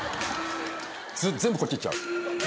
全部こっち行っちゃう。